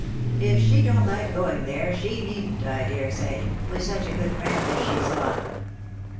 If she don't like going there, she needn't, I dare say, with such a good friend as she's got."